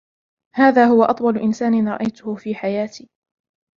هذا هو أطول إنسان رأيته في حياتي.